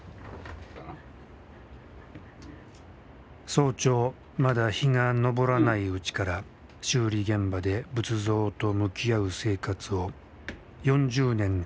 早朝まだ日が昇らないうちから修理現場で仏像と向き合う生活を４０年続けてきた。